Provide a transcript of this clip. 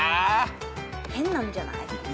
変なんじゃない？